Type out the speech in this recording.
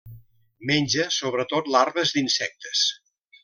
Menja sobretot larves d'insectes.